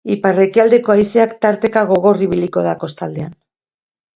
Ipar-ekialdeko haizeak tarteka gogor ibiliko da kostaldean.